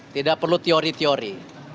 tidak perlu teori teori